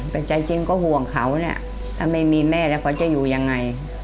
แต่ใจจริงก็ห่วงเขาเนี่ยถ้าไม่มีแม่แล้วเขาจะอยู่ยังไง